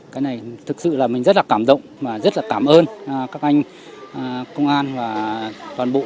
cái này thực sự là mình rất là cảm động và rất là cảm ơn các anh công an và toàn bộ